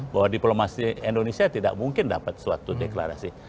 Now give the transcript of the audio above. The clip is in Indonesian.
bahwa diplomasi indonesia tidak mungkin dapat suatu deklarasi